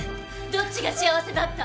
どっちが幸せだった？